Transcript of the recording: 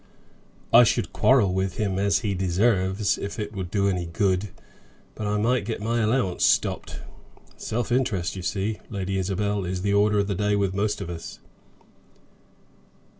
"I should quarrel with him as he deserves, if it would do any good, but I might get my allowance stopped. Self interest, you see, Lady Isabel, is the order of the day with most of us."